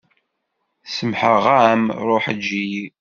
Semmḥeɣ-am ṛuḥ eǧǧ-iyi.